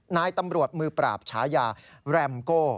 นายตำรวจมือปราบฉายาแรมโก้